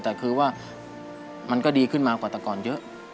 แต่คือว่ามันก็ดีขึ้นมากว่าแต่ก่อนเยอะ